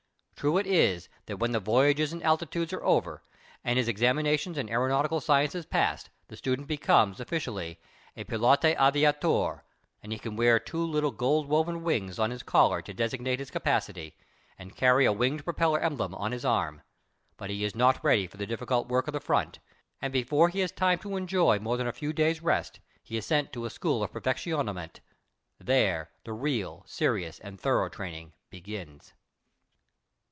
True it is that when the voyages and altitudes are over, and his examinations in aeronautical sciences passed, the student becomes officially a pilote aviateur, and he can wear two little gold woven wings on his collar to designate his capacity, and carry a winged propeller emblem on his arm, but he is not ready for the difficult work of the front, and before he has time to enjoy more than a few days' rest he is sent to a school of perfectionnement. There the real, serious and thorough training begins.